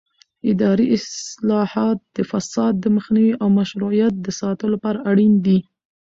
اداري اصلاحات د فساد د مخنیوي او مشروعیت د ساتلو لپاره اړین دي